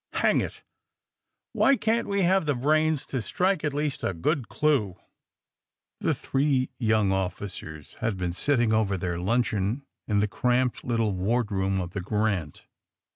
Hang it! Why can't we have the brains to strike at least a good clue?'* The three young officers had been sitting over their luncheon in the cramped little wardroom of the ^^ Grant."